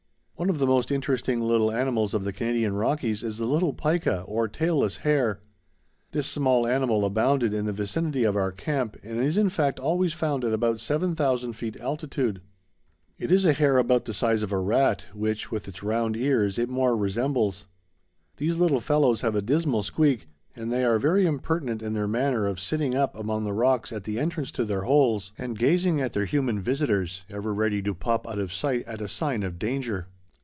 One of the most interesting little animals of the Canadian Rockies is the little pica, or tailless hare. This small animal abounded in the vicinity of our camp and is in fact always found at about 7000 feet altitude. It is a hare about the size of a rat, which, with its round ears, it more resembles. These little fellows have a dismal squeak, and they are very impertinent in their manner of sitting up among the rocks at the entrance to their holes, and gazing at their human visitors, ever ready to pop out of sight at a sign of danger.